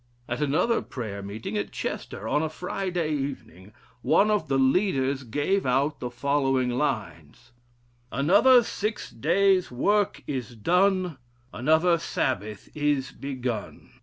At another prayer meeting at Chester, on a Friday evening, one of the leaders gave out the following lines: 'Another six days' work is done; Another Sabbath is begun.'